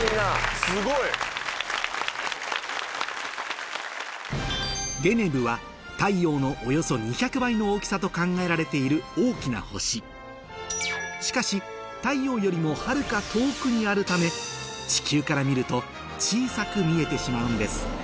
すごい！の大きさと考えられている大きな星しかし太陽よりもはるか遠くにあるため地球から見ると小さく見えてしまうんです